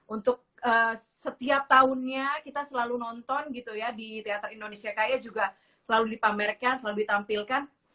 untuk setiap tahunnya kita selalu nonton gitu ya di teater indonesia kaya juga selalu dipamerkan selalu ditampilkan